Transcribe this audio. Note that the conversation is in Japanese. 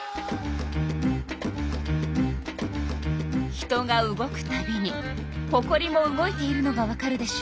人が動くたびにほこりも動いているのがわかるでしょ？